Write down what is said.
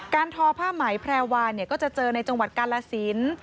ทอผ้าไหมแพรวาก็จะเจอในจังหวัดกาลสิน